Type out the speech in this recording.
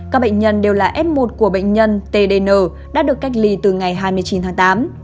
các bệnh nhân đều là f một của bệnh nhân tdn đã được cách ly từ ngày hai mươi chín tháng tám